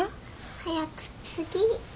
早く次。